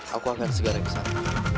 aku akan segera kesana